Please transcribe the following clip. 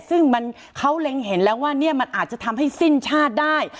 ซึ่งเขาเล็งเห็นแล้วว่าเนี่ยมันอาจจะทำให้สิ้นชาติได้